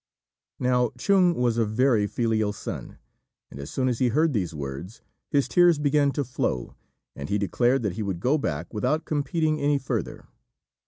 Now Chung was a very filial son; and as soon as he heard these words, his tears began to flow, and he declared that he would go back without competing any further.